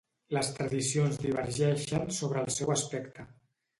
Les tradicions divergeixen sobre el seu aspecte.